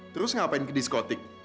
terus ngapain ke diskotik